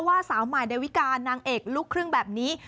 ว่าสาวหมายเดวิกานางเอกลูกเครื่องแบบนี้